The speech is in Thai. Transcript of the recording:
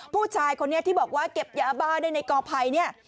ผู้ชายคนนี้ที่บอกว่าเก็บยาบ้าได้ในกอภัยเนี่ย